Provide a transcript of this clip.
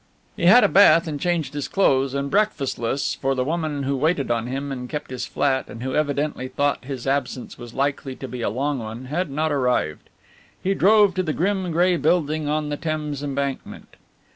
He had a bath and changed his clothes, and breakfastless, for the woman who waited on him and kept his flat and who evidently thought his absence was likely to be a long one, had not arrived. He drove to the grim grey building on the Thames Embankment.